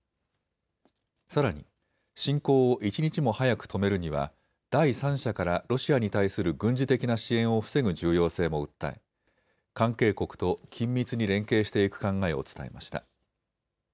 さらに侵攻を一日も早くとめるには第三者からロシアに対する軍事的な支援を防ぐ重要性も訴え、関係国と緊密に連携していく考えを伝えました。